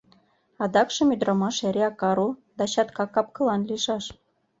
Адакшым ӱдырамаш эреак ару да чатка кап-кылан лийшаш.